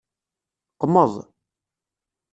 Qmeḍ.